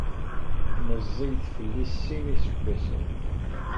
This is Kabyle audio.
Meẓẓiyet fell-i s sin n yiseggasen.